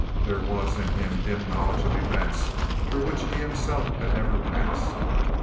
There was in him dim knowledge of events through which he himself had never passed.